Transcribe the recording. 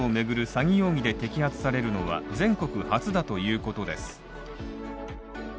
詐欺容疑で摘発されるのは全国初だということです。